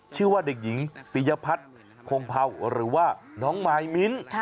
ชื่อว่าเด็กหญิงปียพัฒน์พงเผาหรือว่าน้องมายมิ้น